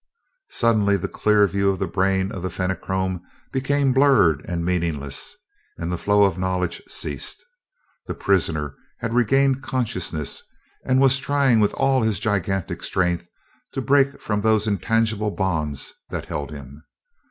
Suddenly the clear view of the brain of the Fenachrone became blurred and meaningless and the flow of knowledge ceased the prisoner had regained consciousness and was trying with all his gigantic strength to break from those intangible bonds that held him.